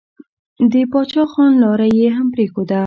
د پاچا خان لاره يې هم پرېښوده.